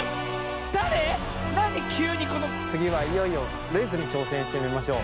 つぎはいよいよレースにちょうせんしてみましょう。